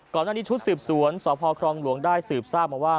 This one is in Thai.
ก่อนหน้านี้ชุดสืบสวนสพครองหลวงได้สืบทราบมาว่า